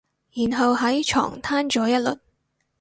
然後喺床攤咗一輪